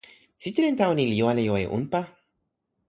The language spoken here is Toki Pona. sitelen tawa ni li jo ala jo e unpa?